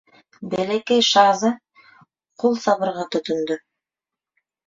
Бәләкәй шаһзат ҡул сабырға тотондо.